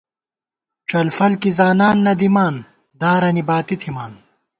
ڄلفل کی زانان نہ دِمان دارَنی باتی تھِمان